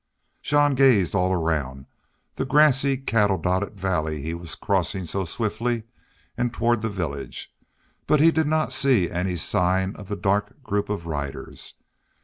Jean gazed all around the grassy, cattle dotted valley he was crossing so swiftly, and toward the village, but he did not see any sign of the dark group of riders.